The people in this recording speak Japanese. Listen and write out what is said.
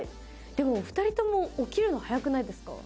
でも、お二人とも起きるの早くないですか？